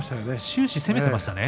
終始、攻めていましたね。